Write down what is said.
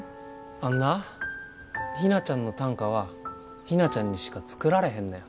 あんな陽菜ちゃんの短歌は陽菜ちゃんにしか作られへんねん。